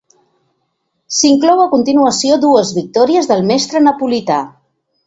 S'inclou a continuació dues victòries del mestre napolità.